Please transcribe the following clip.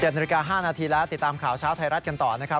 นาฬิกา๕นาทีแล้วติดตามข่าวเช้าไทยรัฐกันต่อนะครับ